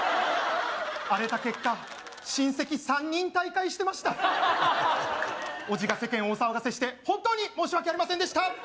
荒れた結果親戚３人退会してました叔父が世間をお騒がせして本当に申し訳ありませんでした！